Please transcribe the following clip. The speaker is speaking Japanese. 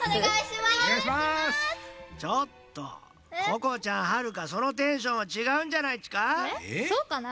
ちょっとここちゃんはるかそのテンションはちがうんじゃないっちか？